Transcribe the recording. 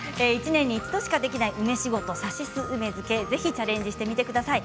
１年に一度しかできない梅仕事、さしす梅漬けチャレンジしてみてください。